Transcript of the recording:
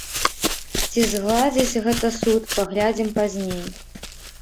Ці згладзіць гэта суд, паглядзім пазней.